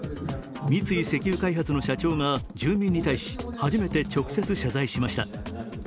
三井石油開発の社長が住民に対し初めて直接謝罪しました。